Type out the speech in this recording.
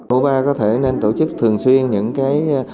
oba có thể nên tổ chức thường xuyên những cái